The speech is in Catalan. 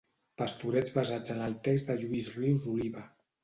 Pastorets basats en el text de Lluís Rius Oliva.